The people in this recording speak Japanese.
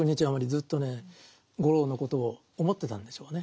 ずっとね五郎のことを思ってたんでしょうね。